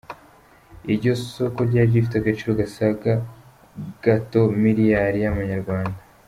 Iryo soko ryari rifite agaciro gasaga gato miliyari y’amanyarwanda.